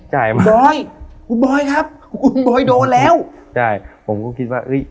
ใช่คุณบอยคุณบอยครับคุณบอยโดนแล้วใช่ผมก็คิดว่าเอ้ย